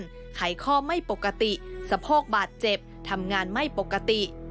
หายข้อไม่ปกติสะโพกบาดเจ็บทำงานไม่ปกติ